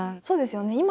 そうですよね。